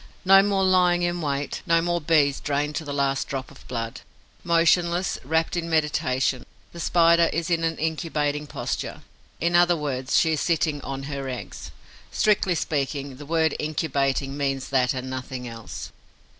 No more lying in wait, no more Bees drained to the last drop of blood. Motionless, rapt in meditation, the Spider is in an incubating posture, in other words, she is sitting on her eggs. Strictly speaking, the word 'incubating' means that and nothing else.